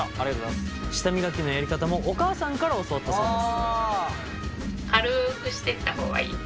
舌磨きのやり方もお母さんから教わったそうです。